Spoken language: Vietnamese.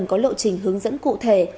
hóa đơn điện tử có lộ trình hướng dẫn cụ thể